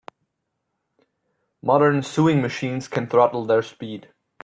Modern sewing machines can throttle their speed.